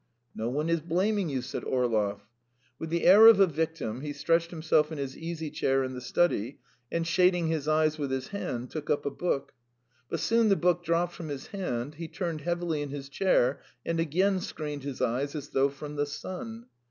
"No one is blaming you," said Orlov. With the air of a victim he stretched himself in his easy chair in the study, and shading his eyes with his hand, took up a book. But soon the book dropped from his hand, he turned heavily in his chair, and again screened his eyes as though from the sun.